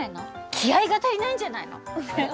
気合いが足りないんじゃないの？